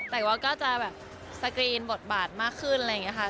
แต่ว่าก็จะแบบสกรีนบทบาทมากขึ้นอะไรอย่างนี้ค่ะ